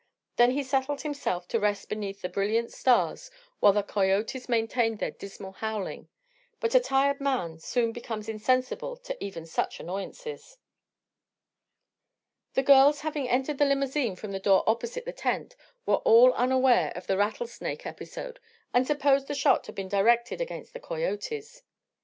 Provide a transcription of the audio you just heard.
Then he settled himself to rest beneath the brilliant stars while the coyotes maintained their dismal howling. But a tired man soon becomes insensible to even such annoyances. The girls, having entered the limousine from the door opposite the tent, were all unaware of the rattlesnake episode and supposed the shot had been directed against the coyotes.